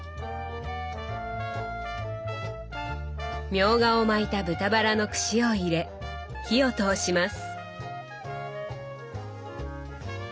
みょうがを巻いた豚バラの串を入れ火を通します。